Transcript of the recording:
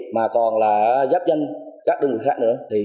mà còn là giáp danh các đơn vị khác nữa